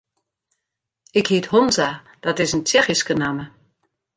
Ik hyt Honza, dat is in Tsjechyske namme.